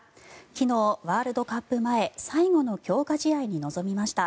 昨日ワールドカップ前最後の強化試合に臨みました。